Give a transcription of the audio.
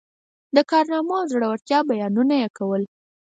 د کارنامو او زړه ورتیا بیانونه یې کول.